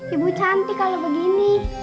ibu cantik kalau begini